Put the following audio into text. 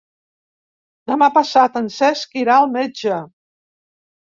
Demà passat en Cesc irà al metge.